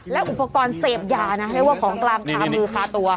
และอุปกรณ์เสพยานะเรียกว่าของกลางคามือคาตัว